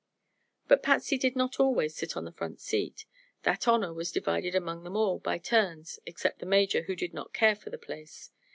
But Patsy did not always sit on the front seat. That honor was divided among them all, by turns, except the Major, who did not care for the place.